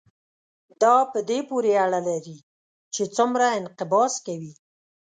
دا په دې پورې اړه لري چې څومره انقباض کوي.